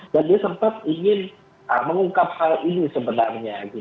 dan dia sempat ingin mengungkap hal ini sebenarnya